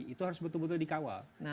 itu harus betul betul dikawal